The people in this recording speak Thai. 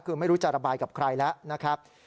คือไม่รู้จะระบายกับใครแล้วนะครับ